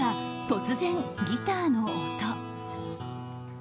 突然、ギターの音。